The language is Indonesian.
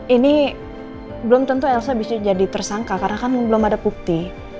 ini belum tentu elsa bisa jadi tersangka karena kan belum ada bukti